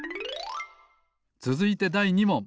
つづいてだい２もん！